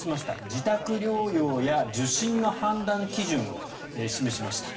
自宅療養や受診の判断基準を示しました。